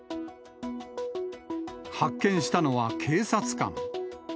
発見したのは警察官。